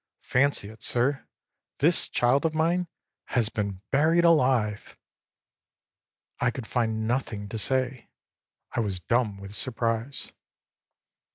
Fancy it, sir, this child of mine has been buried alive!â I could find nothing to say, I was dumb with surprise.